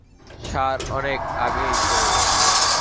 ষাঁড় অনেক আগেই চলে গেছে।